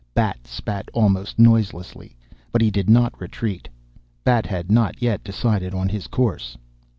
Bat spat almost noiselessly. But he did not retreat. Bat had not yet decided his course.